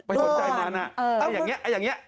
ไปสนใจนั้นอะเอออย่างเงี้ย